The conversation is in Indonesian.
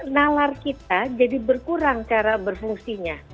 nalar kita jadi berkurang cara berfungsinya